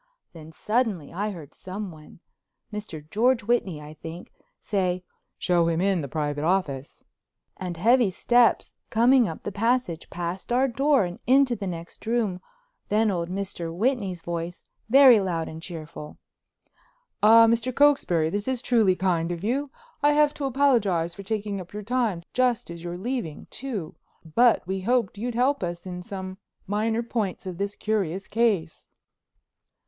Then suddenly I heard someone—Mr. George Whitney, I think—say, "Show him in, the private office," and heavy steps coming up the passage, past our door and into the next room, then old Mr. Whitney's voice, very loud and cheerful. "Ah, Mr. Cokesbury, this is truly kind of you. I have to apologize for taking up your time, just as you're leaving, too, but we hoped you might help us in some minor points of this curious case."